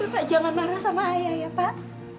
pak jangan marah sama ayah ya pak